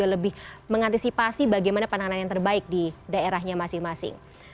lebih mengantisipasi bagaimana penanganan yang terbaik di daerahnya masing masing